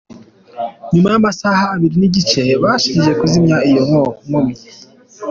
Nyuma y’amasaha abiri n’igice babashije kuzimya iyo kamyo.